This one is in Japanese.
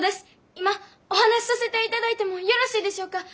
今お話しさせていただいてもよろしいでしょうか。